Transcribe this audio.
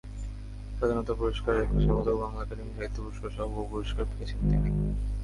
স্বাধীনতা পুরস্কার, একুশে পদক, বাংলা একাডেমি সাহিত্য পুরস্কারসহ বহু পুরস্কার পেয়েছেন তিনি।